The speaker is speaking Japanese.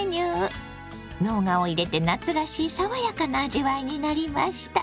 みょうがを入れて夏らしい爽やかな味わいになりました。